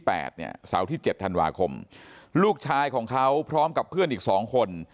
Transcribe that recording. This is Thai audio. เสาร์ที่เจ็ดธันวาคมลูกชายของเขาพร้อมกับเพื่อนอีกสองคน